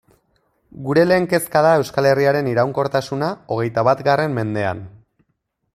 Gure lehen kezka da Euskal Herriaren iraunkortasuna hogeita batgarren mendean.